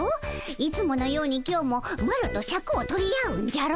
いつものように今日もマロとシャクを取り合うんじゃろ？